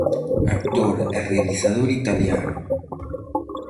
Actor e realizador italiano.